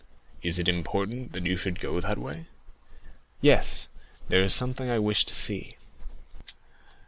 "Is it important that you should go that way?" "Yes, there is something I wish to see."